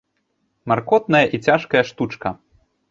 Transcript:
Маркотная і цяжкая штучка.